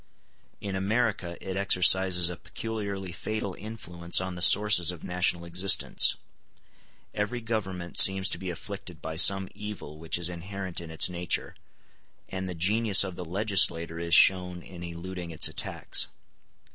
In America it exercises a peculiarly fatal influence on the sources of national existence. Every government seems to be afflicted by some evil which is inherent in its nature, and the genius of the legislator is shown in eluding its attacks.